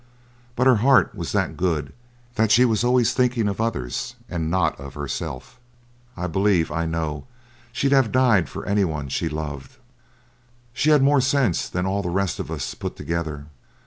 But her heart was that good that she was always thinking of others and not of herself. I believe I know she'd have died for any one she loved. She had more sense than all the rest of us put together.